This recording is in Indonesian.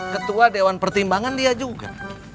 ketua dewan pertimbangan dia juga